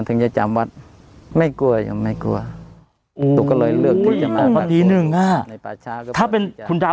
ถึงจะจำวัดไม่กลัวยังไม่กลัวอุ้ยอ๋อตีหนึ่งน่ะถ้าเป็นคุณดาว